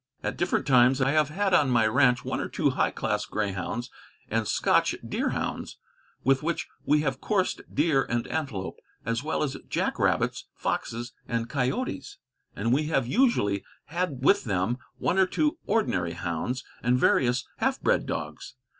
At different times I have had on my ranch one or two high class greyhounds and Scotch deer hounds, with which we have coursed deer and antelope, as well as jack rabbits, foxes, and coyotes; and we have usually had with them one or two ordinary hounds, and various half bred dogs.